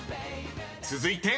［続いて］